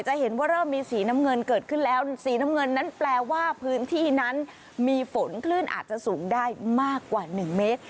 จะเห็นว่าเริ่มมีสีน้ำเงินเกิดขึ้นแล้วสีน้ำเงินนั้นแปลว่าพื้นที่นั้นมีฝนคลื่นอาจจะสูงได้มากกว่า๑เมตร